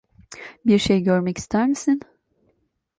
Bir şey görmek ister misin?